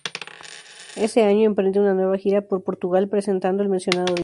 Ese año emprende una nueva gira por Portugal presentando el mencionado disco.